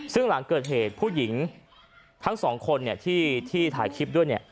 ซึ่งหลังเกิดเหตุผู้หญิงทั้งสองคนที่ถ่ายคลิปด้วยเนี่ย